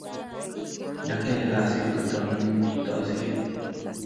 ndekyayae kasit kotamining kitasire